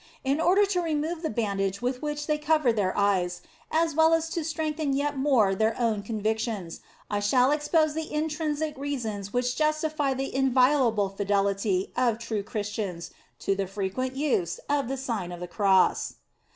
In order to remove the bandage with which they cover their eyes, as well as to strengthen yet more your own convictions, I shall expose the intrinsic reasons which justify the inviolable fidelity of true Christians to the frequent use of the Sign of the Cross.